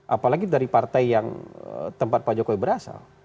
apalagi dari partai yang tempat pak jokowi berasal